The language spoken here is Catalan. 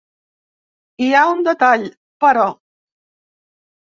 Hi ha un detall, però.